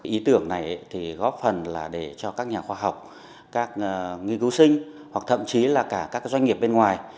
ý tưởng này thì góp phần là để cho các nhà khoa học các người cứu sinh hoặc thậm chí là cả các doanh nghiệp bên ngoài